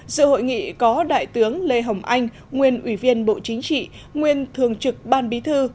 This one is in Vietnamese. sự hội nghị có đại tướng lê hồng anh nguyên ủy viên bộ chính trị nguyên thường trực ban bí thư